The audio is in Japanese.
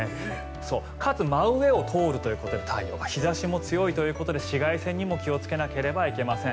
かつ、真上を通るということで太陽、日差しも強いということで紫外線にも気をつけなければいけません。